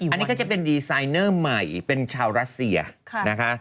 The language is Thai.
อันนี้ก็จะเป็นดีไซเนอร์ใหม่เป็นชาวรัสเซียนะคะ